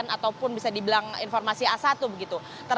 ataupun bisa dibilang informasi a satu begitu